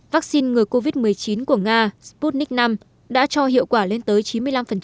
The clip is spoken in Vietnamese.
vaccine ngừa covid một mươi chín của nga sputnik v đã cho hiệu quả lên tới chín mươi năm